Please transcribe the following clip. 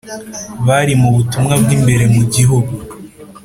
bari mu butumwa bw’imbere mu gihugu